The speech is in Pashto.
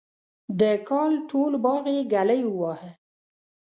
د کال ټول باغ یې ګلي وواهه.